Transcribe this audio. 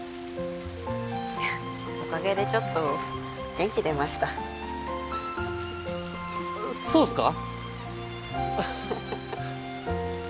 いやおかげでちょっと元気出ましたそうっすか？